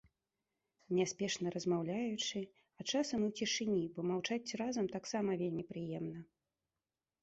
Няспешна, размаўляючы, а часам і ў цішыні, бо маўчаць разам таксама вельмі прыемна.